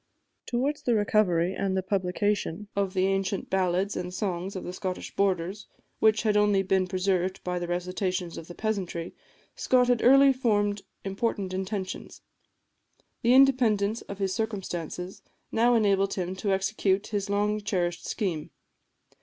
Towards the recovery and publication of the ancient ballads and songs of the Scottish borders, which had only been preserved by the recitations of the peasantry, Scott had early formed important intentions. The independence of his circumstances now enabled him to execute his long cherished scheme.